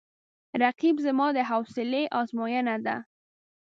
رقیب زما د حوصله آزموینه ده